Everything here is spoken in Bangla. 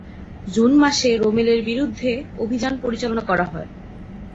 জুন মাসে রোমেলের বিরুদ্ধে অভিযান পরিচালনা করা হয়।